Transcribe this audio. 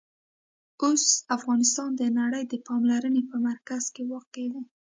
اوس افغانستان د نړۍ د پاملرنې په مرکز کې واقع دی.